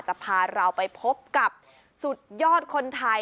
จะพาเราไปพบกับสุดยอดคนไทย